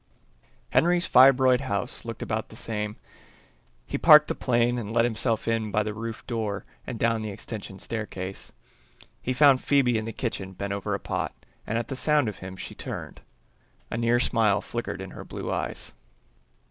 Henry's fibroid house looked about the same. He parked the plane and let himself in by the roof door and down the extension staircase. He found Phoebe in the kitchen bent over a pot, and at sound of him she turned. A near smile flickered in her blue eyes.